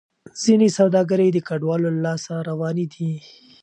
ځینې سوداګرۍ د کډوالو له لاسه روانې دي.